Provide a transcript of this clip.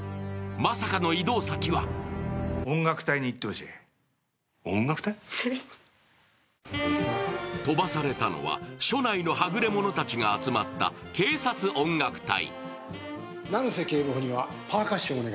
まさかの異動先は飛ばされたのは署内のはぐれ者たちが集まった警察音楽隊。